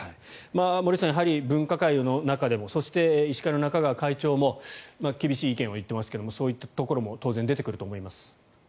森内さんやはり分科会の中でも医師会の中川会長も厳しい意見を言っていますがそういったところも当然、出てくると思います。